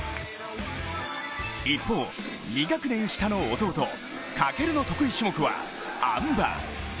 一方、２学年下の弟・翔の得意種目は、あん馬。